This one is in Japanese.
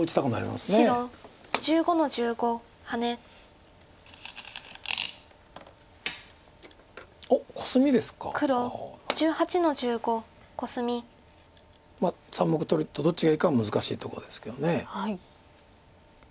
まあ３目取りとどっちがいいかは難しいとこですけど。